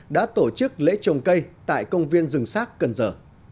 đã tổ chức lễ trồng cây tại công viên rừng sát cần giờ